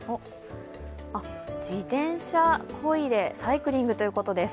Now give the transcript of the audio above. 自転車こいでサイクリングということです。